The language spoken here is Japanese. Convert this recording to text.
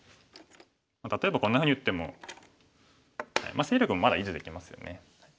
例えばこんなふうに打っても勢力もまだ維持できますよね。